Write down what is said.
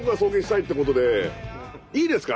いいですか？